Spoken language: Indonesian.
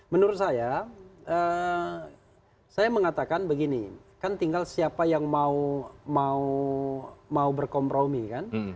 menurut saya saya mengatakan begini kan tinggal siapa yang mau berkompromi kan